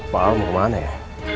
pak almu kemana ya